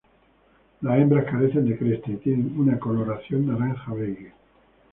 Las hembras carecen de cresta y tienen una coloración naranja-beige.